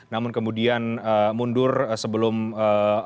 namun kemudian mundur sebelum live program ini